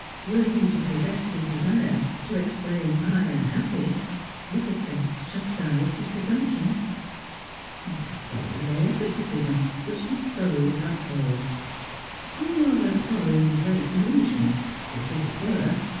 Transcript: Were he to possess his desire, to exclaim, "I am happy," would the Fates chastise his presumption? That way lay asceticism, which his soul abhorred. On, rather, following the great illusion, if this it were!